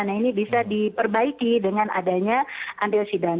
nah ini bisa diperbaiki dengan adanya antioksidan